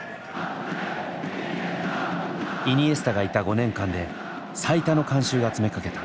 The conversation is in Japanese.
イニエスタがいた５年間で最多の観衆が詰めかけた。